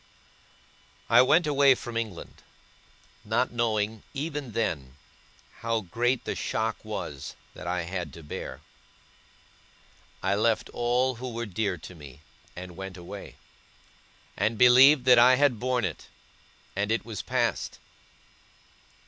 I went away from England; not knowing, even then, how great the shock was, that I had to bear. I left all who were dear to me, and went away; and believed that I had borne it, and it was past.